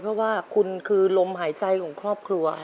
เพราะว่าคุณคือลมหายใจของครอบครัว